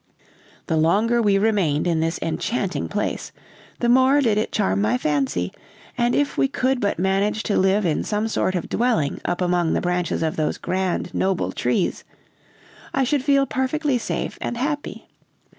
"The longer we remained in this enchanting place, the more did it charm my fancy; and if we could but manage to live in some sort of dwelling up among the branches of those grand, noble trees, I should feel perfectly safe and happy.